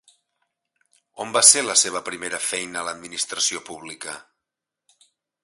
On va ser la seva primera feina en l'administració pública?